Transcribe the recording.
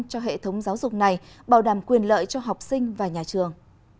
cho hệ thống giáo dục này bảo đảm quyền lợi cho học sinh và nhà trường